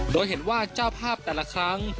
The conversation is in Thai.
โดยเห็นว่าเจ้าภาพแต่ละครั้ง